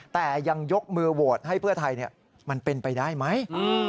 แต่ยังยกมือโหวตให้เพื่อไทยมันเป็นไปได้ไหม